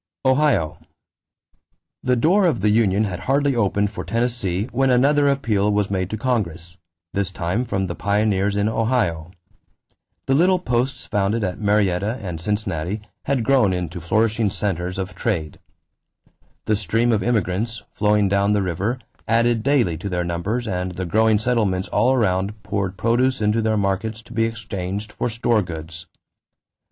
=Ohio.= The door of the union had hardly opened for Tennessee when another appeal was made to Congress, this time from the pioneers in Ohio. The little posts founded at Marietta and Cincinnati had grown into flourishing centers of trade. The stream of immigrants, flowing down the river, added daily to their numbers and the growing settlements all around poured produce into their markets to be exchanged for "store goods."